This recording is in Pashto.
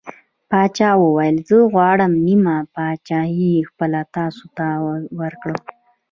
پاچا وویل: زه غواړم نیمه پادشاهي خپله تاسو ته ورکړم.